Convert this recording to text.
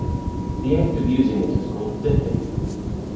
The act of using it is called "dipping".